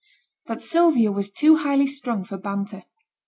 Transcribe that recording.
But Sylvia was too highly strung for banter.